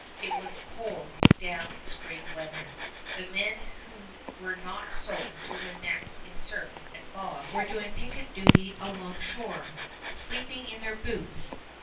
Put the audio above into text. It was cold, damp spring weather. The men who were not soaked to their necks in surf and bog were doing picket duty alongshore, sleeping in their boots.